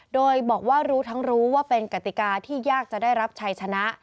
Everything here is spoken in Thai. โดยบอกว่ารู้ทั้งรู้ว่าเป็นกติกาที่ยากจะได้รับชัยชนะ